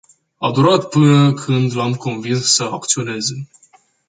A durat până când l-am convins să acționeze.